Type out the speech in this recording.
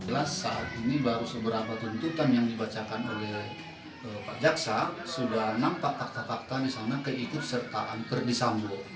saat ini baru seberapa tentukan yang dibacakan oleh pak jaksa sudah nampak fakta fakta disana keikut sertaan ferdi sambo